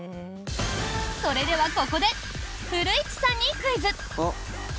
それではここで古市さんにクイズ。